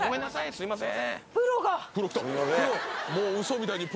すいません。